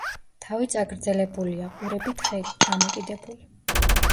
თავი წაგრძელებულია, ყურები თხელი, ჩამოკიდებული.